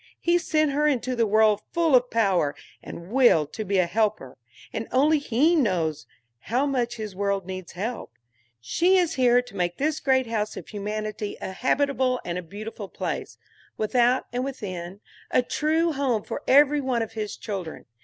He sent her into the world full of power and will to be a helper; and only He knows how much his world needs help. She is here to make this great house of humanity a habitable and a beautiful place, without and within, a true home for every one of his children.